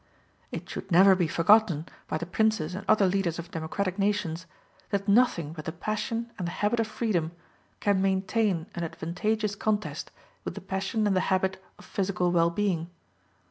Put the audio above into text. It should never be forgotten by the princes and other leaders of democratic nations, that nothing but the passion and the habit of freedom can maintain an advantageous contest with the passion and the habit of physical well being.